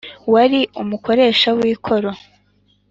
wari umukoresha w ikoro